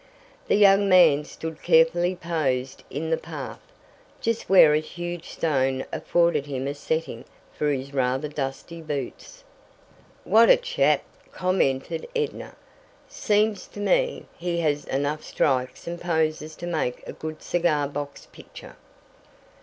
The young man stood carefully posed in the path, just where a huge stone afforded him a setting for his rather dusty boots. "What a chap!" commented Edna. "Seems to me he has enough strikes and poses to make a good cigar box picture."